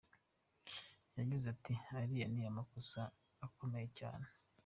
Yagize ati”Ariya ni amakosa akomeye cyane.